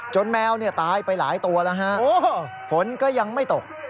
แมวตายไปหลายตัวแล้วฮะฝนก็ยังไม่ตก